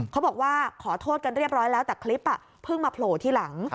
เขาบอกว่าขอโทษกันเรียบร้อยแล้วแต่คลิปเพิ่งมาโผล่ที่หลัง